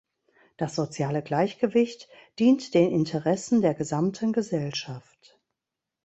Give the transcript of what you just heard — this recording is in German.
Das soziale Gleichgewicht dient den Interessen der gesamten Gesellschaft.